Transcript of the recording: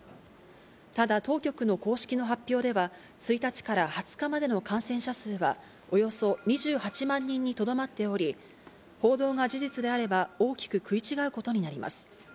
ただ当局の公式の発表では、１日から２０日までの感染者数は、およそ２８万人にとどまっており、報道が事実であれば、大きく食い違うことになります。